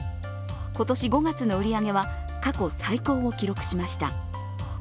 今年５月の売り上げは過去最高を記録しました。